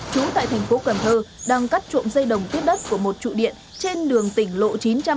trú tại thành phố cần thơ đang cắt trộm dây đồng tiếp đất của một trụ điện trên đường tỉnh lộ chín trăm tám mươi